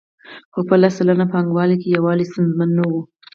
خو په لس سلنه پانګوالو کې یووالی ستونزمن نه وو